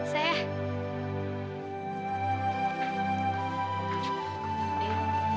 ini yang harus diberikan pak